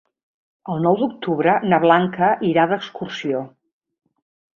El nou d'octubre na Blanca irà d'excursió.